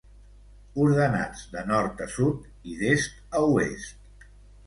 Ordenats de nord a sud i d'est a oest.